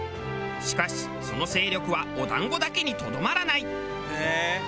しかしその勢力はお団子だけにとどまらない。